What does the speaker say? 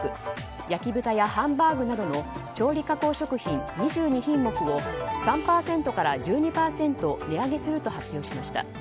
焼き豚やハンバーグなどの調理加工食品２２品目を３％から１２％値上げすると発表しました。